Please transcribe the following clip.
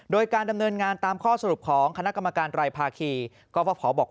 โดยการดำเนินงานตามข้อสรุปของคณะกรรมการรายภาคีก็ฟภบอก